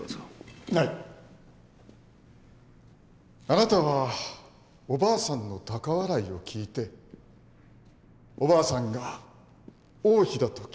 あなたはおばあさんの高笑いを聞いておばあさんが王妃だと気付いたんですね？